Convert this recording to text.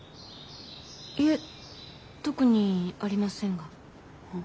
いえ特にありませんが。